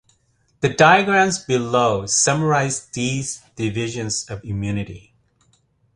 The diagram below summarizes these divisions of immunity.